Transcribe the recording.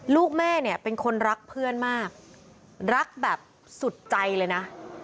ลูกแม่เนี่ยเป็นคนรักเพื่อนมากรักแบบสุดใจเลยนะ